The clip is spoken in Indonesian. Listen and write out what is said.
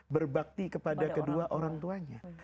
berbakti kepada kedua orang tuanya